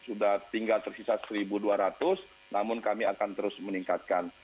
sudah tinggal tersisa satu dua ratus namun kami akan terus meningkatkan